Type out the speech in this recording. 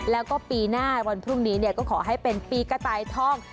แล้วก็ปีหน้าวันพรุ่งนี้ก็ขอให้เป็นปีกระต่ายท่อง